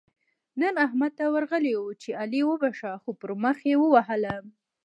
نن احمد ته ورغلی وو؛ چې علي وبښه - خو پر مخ يې ووهلم.